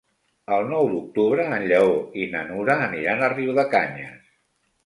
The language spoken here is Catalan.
El nou d'octubre en Lleó i na Nura aniran a Riudecanyes.